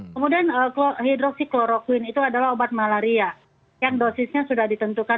kemudian hidroksikloroquine itu adalah obat malaria yang dosisnya sudah ditentukan